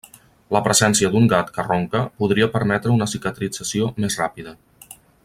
La presència d'un gat que ronca podria permetre una cicatrització més ràpida.